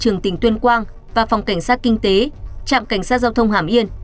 thị trưởng tỉnh tuyên quang và phòng cảnh sát kinh tế trạm cảnh sát giao thông hàm yên